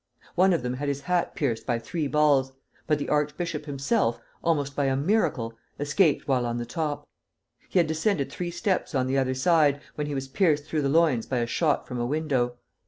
One of them had his hat pierced by three balls, but the archbishop himself, almost by a miracle, escaped while on the top. He had descended three steps on the other side, when he was pierced through the loins by a shot from a window.